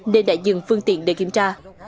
nên đã dừng phương tiện để kiểm tra